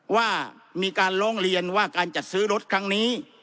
ว่ามีการร้องเรียนว่าการจัดซื้อรถครั้งนี้